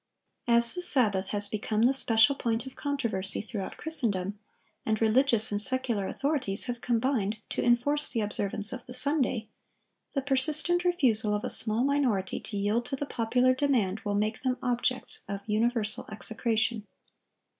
As the Sabbath has become the special point of controversy throughout Christendom, and religious and secular authorities have combined to enforce the observance of the Sunday, the persistent refusal of a small minority to yield to the popular demand, will make them objects of universal execration.